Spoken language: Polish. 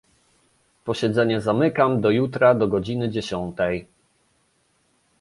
"Posiedzenie zamykam do jutra do godziny dziesiątej."